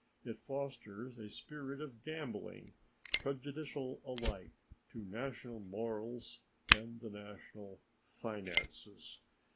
It fosters a spirit of gambling, prejudicial alike to national morals and the national finances.